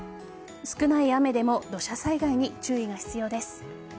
少ない雨でも土砂災害に注意が必要です。